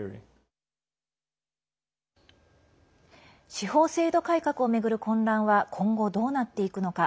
司法制度改革を巡る混乱は今後どうなっていくのか。